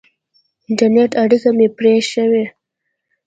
د انټرنېټ اړیکه مې پرې شوې.